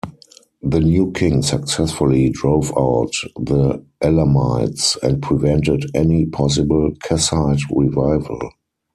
The new king successfully drove out the Elamites and prevented any possible Kassite revival.